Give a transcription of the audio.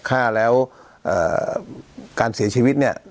ฆ่าแล้วการเสียชีวิตเนี่ย